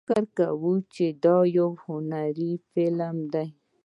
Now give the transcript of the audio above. فکر مې کاوه چې دا یو هنري فلم دی.